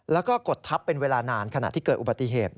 แล้วก็กดทับเป็นเวลานานขณะที่เกิดอุบัติเหตุ